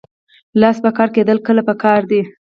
لاس په کار کیدل کله پکار دي؟